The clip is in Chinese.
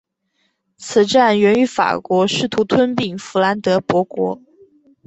此战源于法国试图吞并弗兰德伯国。